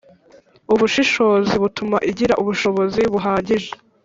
Ubushishozi butuma igira ubushobozi buhagije